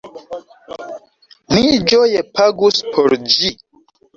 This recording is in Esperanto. Mi ĝoje pagus por ĝi!